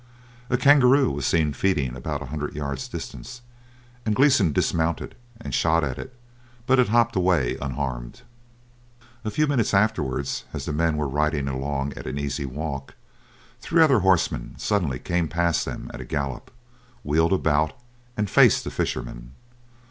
A kangaroo was seen feeding about a hundred yards distant, and Gleeson dismounted and shot at it, but it hopped away unharmed. A few minutes afterwards, as the men were riding along at an easy walk, three other horsemen suddenly came past them at a gallop, wheeled about, and faced the fishermen.